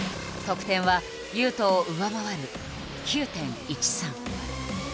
得点は雄斗を上回る９．１３。